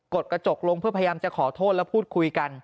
ดกระจกลงเพื่อพยายามจะขอโทษแล้วพูดคุยกัน